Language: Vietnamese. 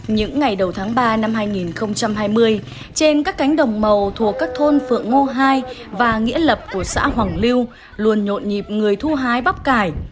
những ngày đầu tháng ba năm hai nghìn hai mươi trên các cánh đồng màu thuộc các thôn phượng ngô hai và nghĩa lập của xã hoàng lưu luôn nhộn nhịp người thu hái bắp cải